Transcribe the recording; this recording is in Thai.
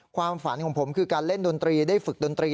ความฝันของผมคือการเล่นดนตรีได้ฝึกดนตรี